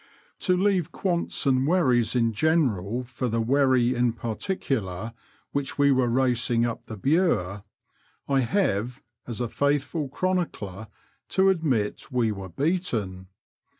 To leave quants and wherries in general for the wherry in particular which we were racing up the Bure, I have, as a faithful chronicler, to admit we were beaten.